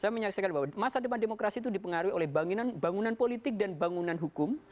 saya menyaksikan bahwa masa depan demokrasi itu dipengaruhi oleh bangunan politik dan bangunan hukum